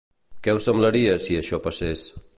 Què us semblaria, si això passés?